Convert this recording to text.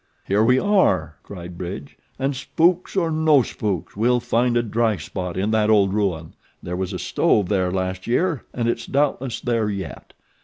"Here we are!" cried Bridge, "and spooks or no spooks we'll find a dry spot in that old ruin. There was a stove there last year and it's doubtless there yet.